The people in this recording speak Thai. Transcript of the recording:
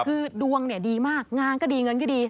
คือดวงเนี่ยดีมากงานก็ดีเงินก็ดี